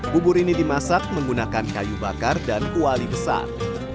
bubur ini dimasak menggunakan kayu bakar dan kuali besar